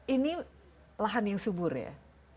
ini lahan yang subur ya